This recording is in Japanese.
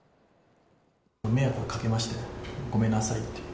迷惑をかけましてごめんなさいと。